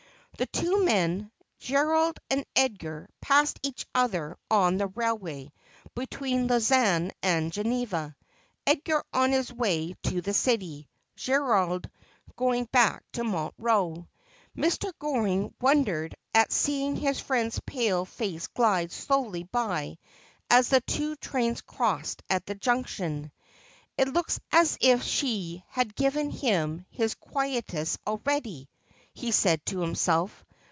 The two men, Gerald and Edgar, passed each other on the railway between Lausanne and Geneva — Edgar on his way to the city, Gerald going back to Montreux. Mr. Goring won dered at seeing his friend's pale face glide slowly by as the two trains crossed at the junction. ' It looks as if she had given him his quietus already,' he said to himself.